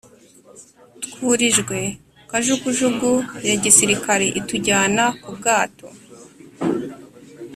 Twurijwe kajugujugu ya gisirikare itujyana ku bwato